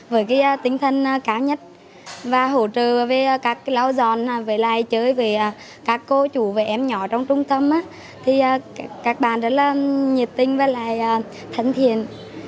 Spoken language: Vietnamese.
với cái tinh thần cao nhất và hỗ trợ với các lao giòn với lại chơi với các cô chủ với em nhỏ trong trung tâm thì các bạn rất là nhiệt tinh và lại thân thiện